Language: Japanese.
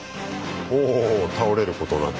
おお倒れることなく。